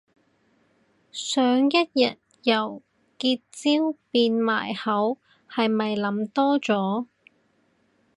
想一日由結焦變埋口係咪諗多咗